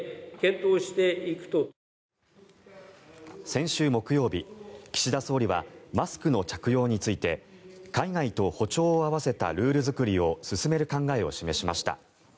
先週木曜日岸田総理はマスクの着用について海外と歩調を合わせたルール作りを進める考えを示しました。